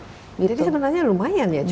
jadi sebenarnya lumayan ya cukup besar ya